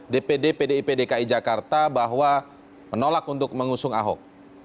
dpd pdip dki jakarta bahwa menolak untuk mengusung ahok